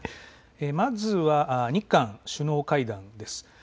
まずは日韓首脳会談です。